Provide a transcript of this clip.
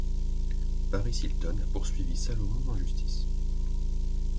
Paris Hilton a poursuivi Salomon en justice.